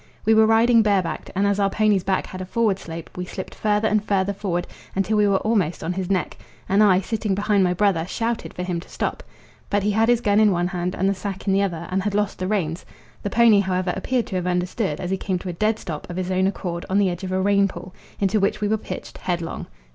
We were riding barebacked, and as our pony's back had a forward slope we slipped further and further forward until we were almost on his neck, and I, sitting behind my brother, shouted for him to stop. But he had his gun in one hand and the sack in the other, and had lost the reins; the pony, however, appeared to have understood, as he came to a dead stop of his own accord on the edge of a rain pool, into which we were pitched headlong.